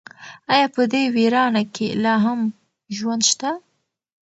ایا په دې ویرانه کې لا هم ژوند شته؟